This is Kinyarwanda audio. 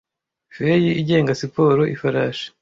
FEI igenga siporo Ifarashi